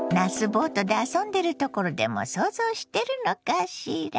ボートで遊んでるところでも想像してるのかしら？